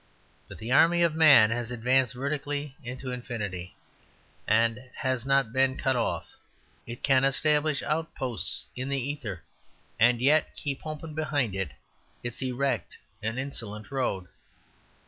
But the army of man has advanced vertically into infinity, and not been cut off. It can establish outposts in the ether, and yet keep open behind it its erect and insolent road.